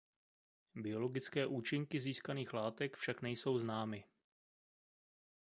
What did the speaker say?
Biologické účinky získaných látek však nejsou známy.